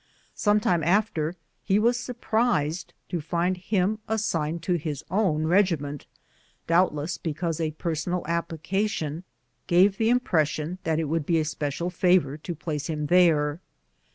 Some time after, he was sur prised to find him assigned to his own regiment, doubt less because a personal application gave the impression that it would be a special favor to place him there.